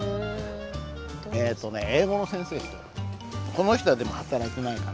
この人はでも働いてないから。